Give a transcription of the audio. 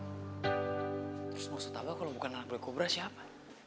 terus maksud abah kalo bukan anak black cobra siapa